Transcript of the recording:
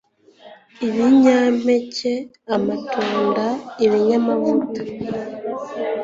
Ibinyampeke amatunda ibinyamavuta